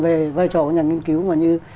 về vai trò của nhà nghiên cứu mà như